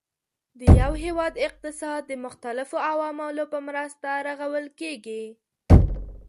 د یو هیواد اقتصاد د مختلفو عواملو په مرسته رغول کیږي.